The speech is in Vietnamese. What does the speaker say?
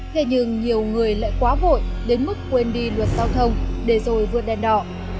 thế nhưng nhiều người lại quá vội đến mức quên đi luật giao thông để rồi vượt đèn đỏ